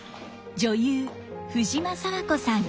女優藤間爽子さん。